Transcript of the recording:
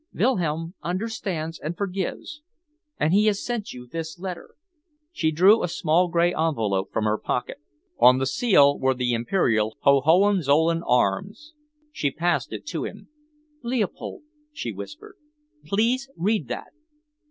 Wilhelm understands and forgives, and he has sent you this letter." She drew a small grey envelope from her pocket. On the seal were the Imperial Hohenzollern arms. She passed it to him. "Leopold," she whispered, "please read that."